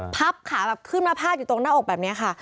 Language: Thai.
พับขาแบบขึ้นมาพาดอยู่ตรงหน้าอกแบบนี้ค่ะ